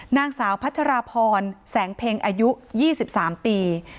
นางสาวพัชราพรแสงเพ็งอายุ๒๓ปี